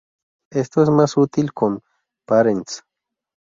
Esto es más útil con --parents.